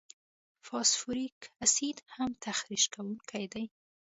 فاسفوریک اسید هم تخریش کوونکي دي.